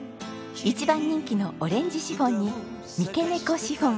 一番人気のオレンジシフォンに三毛猫シフォン。